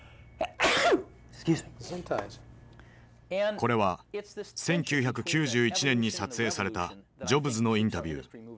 これは１９９１年に撮影されたジョブズのインタビュー。